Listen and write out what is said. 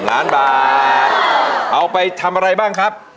ล้านบาทเอาไปทำอะไรบ้างครับ